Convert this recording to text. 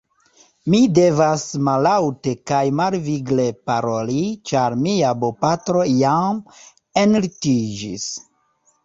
Mi devas mallaŭte kaj malvigle paroli ĉar mia bopatro jam enlitiĝis!